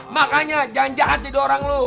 makanya jangan jahat jadi orang lo